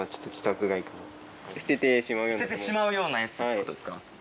捨ててしまうようなやつってことですか。